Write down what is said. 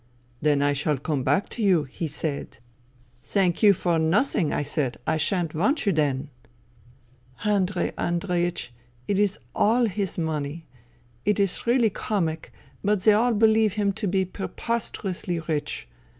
"' Then I shall come back to you,' he said. 38 FUTILITY "* Thank you for nothing,' I said. ' I shan't want you then.' " Andrei Andreieeh, it is all his money. It is really comic, but they all believe him to be pre posterously rich.